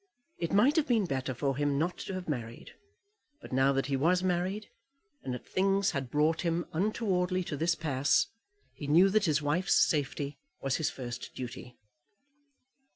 It might have been better for him not to have married; but now that he was married, and that things had brought him untowardly to this pass, he knew that his wife's safety was his first duty.